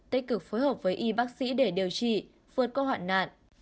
tích cực phối hợp với y bác sĩ để điều trị vượt qua hoạn nạn